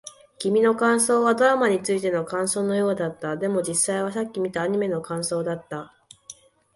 君の感想はドラマについての感想のようだった。でも、実際はさっき見たアニメの感想だった。